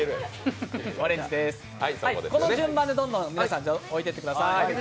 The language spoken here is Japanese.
この順番でどんどん置いていってください。